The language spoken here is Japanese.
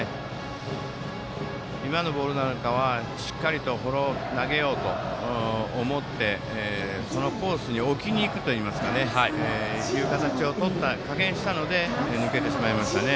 今のボールなんかはしっかり投げようと思ってそのコースに置きに行くという形をとって加減をしたので抜けてしまいましたね。